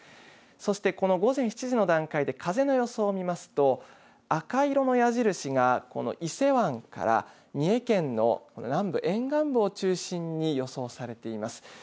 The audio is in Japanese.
そして、この午前７時の段階で風の予想見ますと赤色の矢印が伊勢湾から三重県南部沿岸部を中心に予想されています。